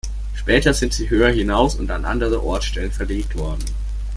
Später sind sie höher hinaus und an andere Ortsstellen verlegt worden.